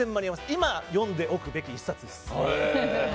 今、読んでおくべき１冊です。